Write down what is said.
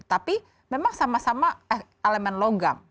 tapi memang sama sama elemen logam